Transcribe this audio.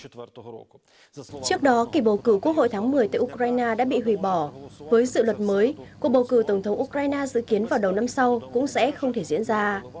trước đó kỳ bầu cử quốc hội tháng một mươi tại ukraine đã bị hủy bỏ với dự luật mới cuộc bầu cử tổng thống ukraine dự kiến vào đầu năm sau cũng sẽ không thể diễn ra